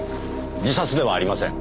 自殺ではありません。